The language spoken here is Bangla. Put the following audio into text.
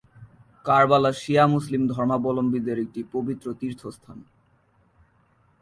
কারবালা শিয়া মুসলিম ধর্মাবলম্বীদের একটি পবিত্র তীর্থস্থান।